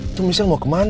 itu michelle mau kemana